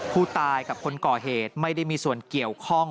ผู้ตายกับคนก่อเหตุไม่ได้มีส่วนเกี่ยวข้อง